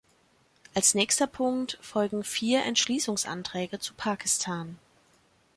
Als nächster Punkt folgen vier Entschließungsanträge zu Pakistan.